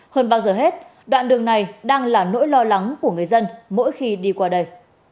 hơn bao giờ hết đoạn đường này đang là nỗi lo lắng của người dân mỗi khi đi qua đây